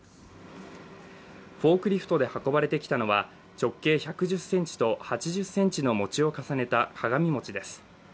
フォークリフトで運ばれてきたのは直径１１０ｃｍと８０ｃｍの餅を重ねた鏡餅です。